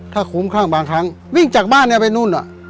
ถ้าฝูมครั่งบางครั้งวิ่งจากบ้านเนี่ยไปนู้นอ่ะ